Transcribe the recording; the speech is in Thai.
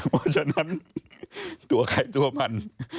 เพราะฉะนั้นตัวใครตัวมัน